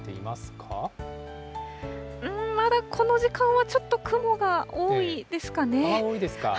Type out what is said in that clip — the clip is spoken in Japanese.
まだこの時間はちょっと雲が多いですかね。